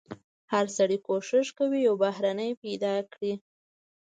هر سړی کوښښ کوي یو بهرنی پیدا کړي.